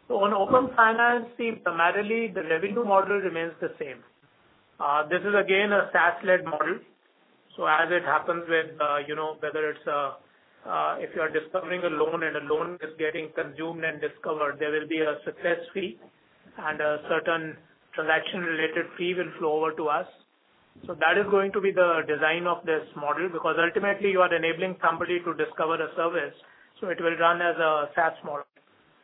So on Open Finance, see, primarily, the revenue model remains the same. This is, again, a SaaS-led model. So as it happens with whether it's if you are discovering a loan and a loan is getting consumed and discovered, there will be a success fee and a certain transaction-related fee will flow over to us. So that is going to be the design of this model because ultimately, you are enabling somebody to discover a service. So it will run as a SaaS model.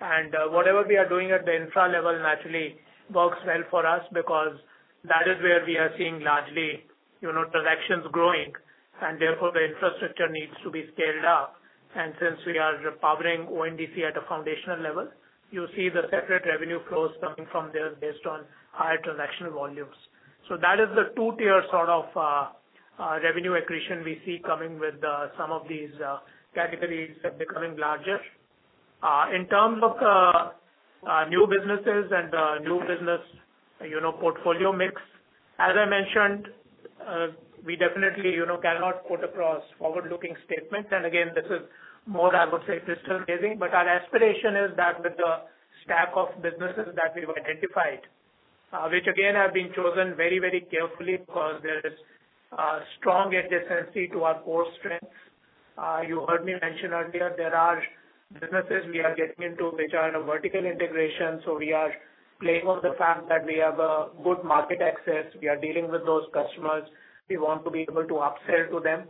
And whatever we are doing at the infra level naturally works well for us because that is where we are seeing largely transactions growing. And therefore, the infrastructure needs to be scaled up. And since we are powering ONDC at a foundational level, you see the separate revenue flows coming from there based on higher transaction volumes. So that is the two-tier sort of revenue accretion we see coming with some of these categories becoming larger. In terms of the new businesses and the new business portfolio mix, as I mentioned, we definitely cannot put across forward-looking statements. And again, this is more, I would say, crystal clear. But our aspiration is that with the stack of businesses that we've identified, which again have been chosen very, very carefully because there is strong adjacency to our core strengths. You heard me mention earlier there are businesses we are getting into which are a vertical integration. So we are playing on the fact that we have a good market access. We are dealing with those customers. We want to be able to upsell to them.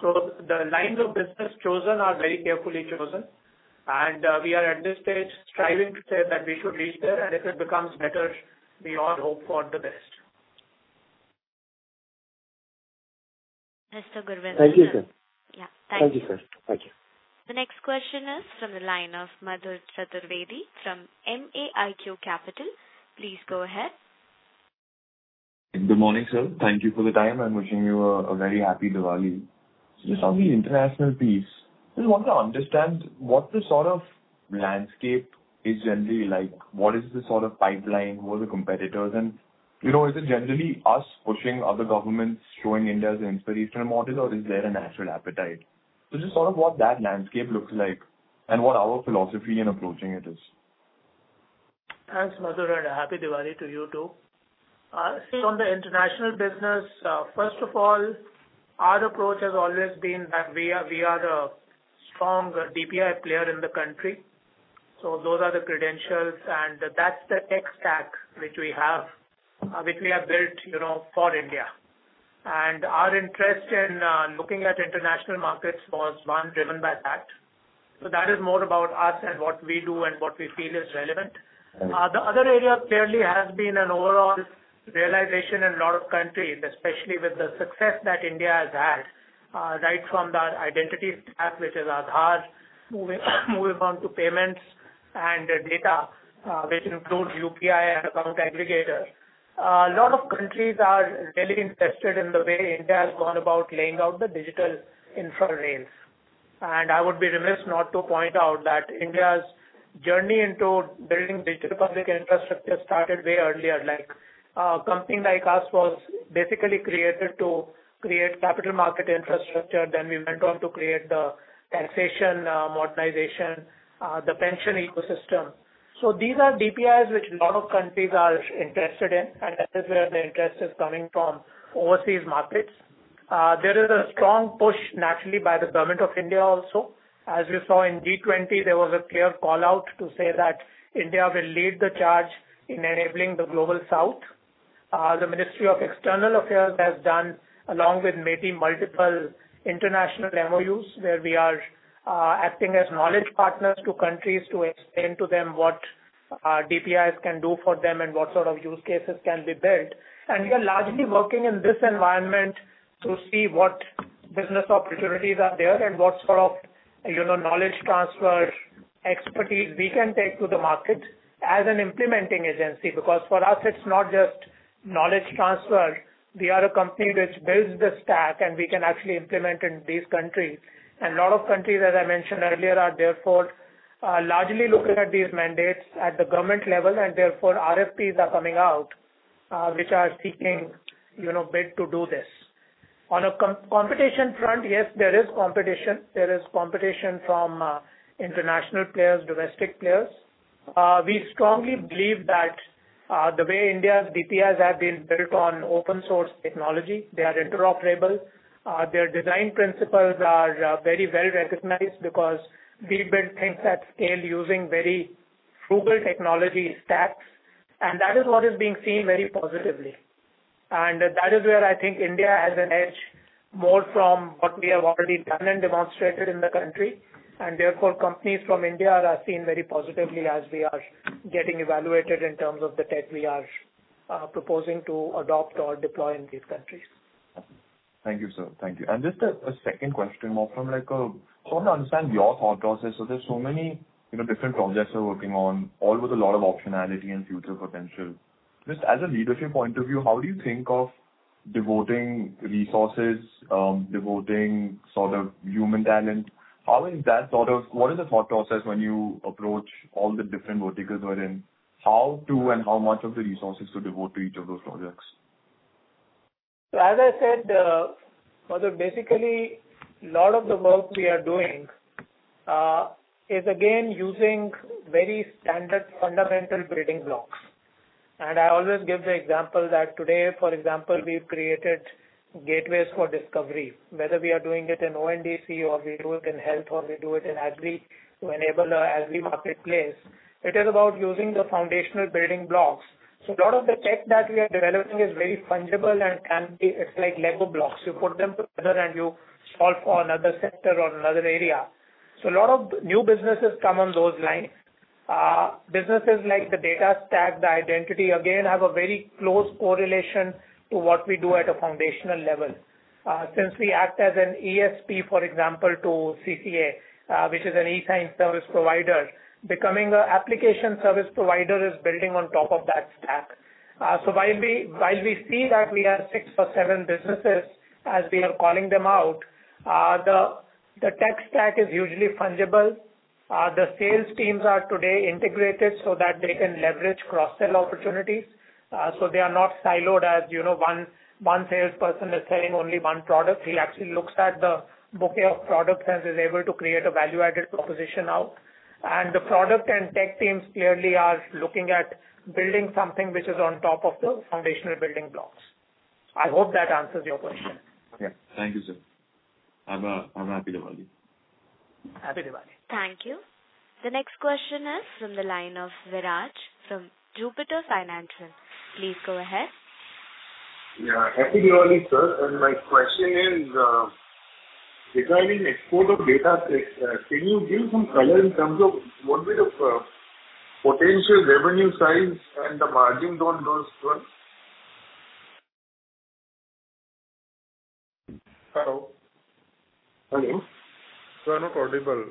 So the lines of business chosen are very carefully chosen. We are at this stage striving to say that we should reach there. If it becomes better, we all hope for the best. Mr. Gurvinder Singh. Thank you, sir. Yeah. Thank you. Thank you, sir. Thank you. The next question is from the line of Madhur Chaturvedi from MK Ventures. Please go ahead. Good morning, sir. Thank you for the time. I'm wishing you a very happy Diwali. Just on the international piece, I just want to understand what the sort of landscape is generally like. What is the sort of pipeline? Who are the competitors? And is it generally us pushing other governments, showing India as an inspirational model, or is there a natural appetite? So just sort of what that landscape looks like and what our philosophy in approaching it is. Thanks, Madhur. And a happy Diwali to you too. See, on the international business, first of all, our approach has always been that we are a strong DPI player in the country. So those are the credentials. And that's the tech stack which we have built for India. And our interest in looking at international markets was, one, driven by that. So that is more about us and what we do and what we feel is relevant. The other area clearly has been an overall realization in a lot of countries, especially with the success that India has had right from the identity stack, which is Aadhaar, moving on to payments and data, which includes UPI and Account Aggregator. A lot of countries are really interested in the way India has gone about laying out the digital infra rails. I would be remiss not to point out that India's journey into building digital public infrastructure started way earlier. Something like us was basically created to create capital market infrastructure. Then we went on to create the taxation modernization, the pension ecosystem. So these are DPIs which a lot of countries are interested in. And that is where the interest is coming from overseas markets. There is a strong push naturally by the government of India also. As you saw in G20, there was a clear call-out to say that India will lead the charge in enabling the Global South. The Ministry of External Affairs has done, along with MeitY, multiple international MOUs where we are acting as knowledge partners to countries to explain to them what DPIs can do for them and what sort of use cases can be built. We are largely working in this environment to see what business opportunities are there and what sort of knowledge transfer expertise we can take to the market as an implementing agency. Because for us, it's not just knowledge transfer. We are a company which builds the stack, and we can actually implement in these countries. A lot of countries, as I mentioned earlier, are therefore largely looking at these mandates at the government level. Therefore, RFPs are coming out which are seeking bids to do this. On a competition front, yes, there is competition. There is competition from international players, domestic players. We strongly believe that the way India's DPIs have been built on open-source technology, they are interoperable. Their design principles are very well recognized because we've built things at scale using very frugal technology stacks. That is what is being seen very positively. That is where I think India has an edge more from what we have already done and demonstrated in the country. Therefore, companies from India are seen very positively as we are getting evaluated in terms of the tech we are proposing to adopt or deploy in these countries. Thank you, sir. Thank you. And just a second question more from sort of understand your thought process. So there's so many different projects you're working on, all with a lot of optionality and future potential. Just as a leadership point of view, how do you think of devoting resources, devoting sort of human talent? How is that sort of what is the thought process when you approach all the different verticals wherein how to and how much of the resources to devote to each of those projects? So as I said, Madhur, basically, a lot of the work we are doing is, again, using very standard fundamental building blocks. And I always give the example that today, for example, we've created gateways for discovery. Whether we are doing it in ONDC or we do it in health or we do it in agri to enable an agri marketplace, it is about using the foundational building blocks. So a lot of the tech that we are developing is very fungible and can be. It's like Lego blocks. You put them together and you solve for another sector or another area. So a lot of new businesses come on those lines. Businesses like the data stack, the identity, again, have a very close correlation to what we do at a foundational level. Since we act as an ESP, for example, to CCA, which is an eSign service provider, becoming an application service provider is building on top of that stack. So while we see that we have six or seven businesses as we are calling them out, the tech stack is usually fungible. The sales teams are today integrated so that they can leverage cross-sell opportunities. So they are not siloed as one salesperson is selling only one product. He actually looks at the bouquet of products and is able to create a value-added proposition out. And the product and tech teams clearly are looking at building something which is on top of the foundational building blocks. I hope that answers your question. Yeah. Thank you, sir. Have a happy Diwali. Happy Diwali. Thank you. The next question is from the line of Viraj from Jupiter Financial. Please go ahead. Yeah. Happy Diwali, sir. And my question is regarding export of data. Can you give some color in terms of what will the potential revenue size and the margin on those? Hello. Hello. You are not audible.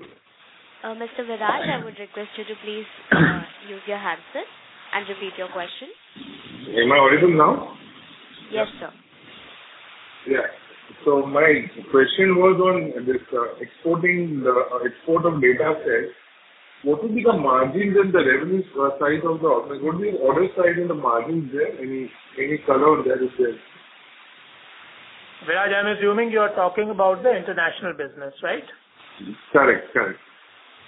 Mr. Viraj, I would request you to please use your handset and repeat your question. Am I audible now? Yes, sir. Yeah. So my question was on this export of the data set. What would be the margins and the revenue size of the orders? What would be the order size and the margins there? Any color on that, if there is? Viraj, I'm assuming you are talking about the international business, right? Correct. Correct.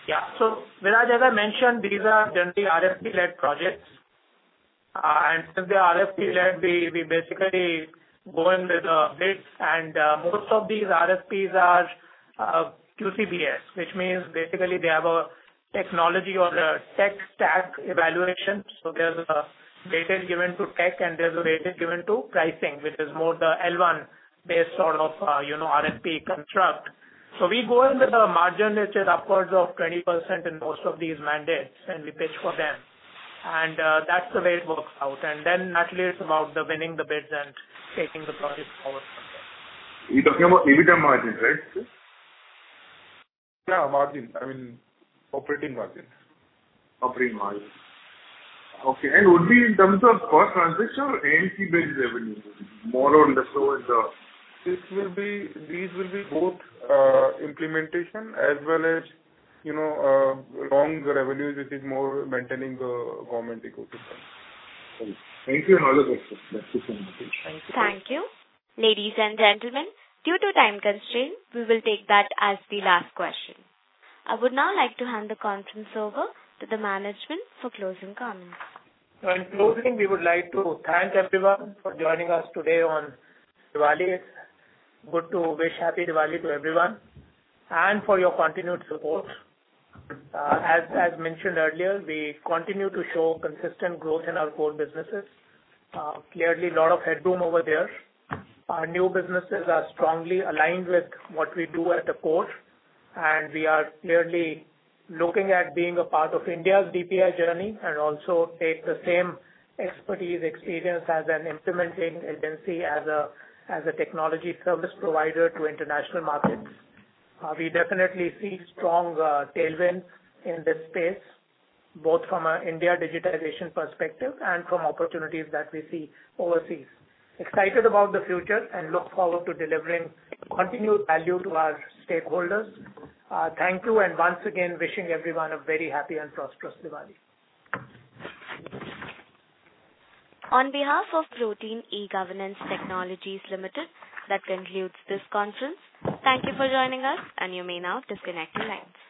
Yeah. So Viraj, as I mentioned, these are generally RFP-led projects. And since they are RFP-led, we basically go in with a bid. And most of these RFPs are QCBS, which means basically they have a technology or a tech stack evaluation. So there's a weightage given to tech, and there's a weightage given to pricing, which is more the L1-based sort of RFP construct. So we go in with a margin which is upwards of 20% in most of these mandates, and we pitch for them. And that's the way it works out. And then naturally, it's about winning the bids and taking the projects forward from there. You're talking about EBITDA margins, right, sir? Yeah, margins. I mean, operating margins. Operating margins. Okay. And would be in terms of first transaction or end-to-end revenue? More or less These will be both implementation as well as long revenues, which is more maintaining the government ecosystem. Thank you. Another question. That's it for me. Thank you. Ladies and gentlemen, due to time constraint, we will take that as the last question. I would now like to hand the conference over to the management for closing comments. So in closing, we would like to thank everyone for joining us today on Diwali. Good to wish happy Diwali to everyone and for your continued support. As mentioned earlier, we continue to show consistent growth in our core businesses. Clearly, a lot of headroom over there. Our new businesses are strongly aligned with what we do at the core. And we are clearly looking at being a part of India's DPI journey and also take the same expertise, experience as an implementing agency as a technology service provider to international markets. We definitely see strong tailwinds in this space, both from an India digitization perspective and from opportunities that we see overseas. Excited about the future and look forward to delivering continued value to our stakeholders. Thank you. And once again, wishing everyone a very happy and prosperous Diwali. On behalf of Protean eGovernance Technologies Limited, that concludes this conference. Thank you for joining us, and you may now disconnect your lines.